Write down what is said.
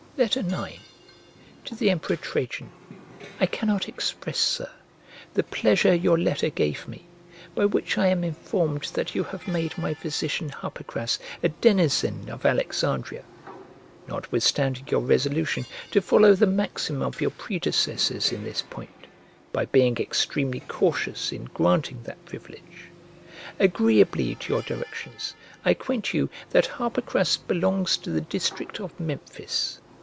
IX To THE EMPEROR TRAJAN I CANNOT express, Sir, the pleasure your letter gave me, by which I am informed that you have made my physician Harpocras a denizen of Alexandria; notwithstanding your resolution to follow the maxim of your predecessors in this point, by being extremely cautious in granting that privilege. Agreeably to your directions, I acquaint you that Harpocras belongs to the district of Memphis.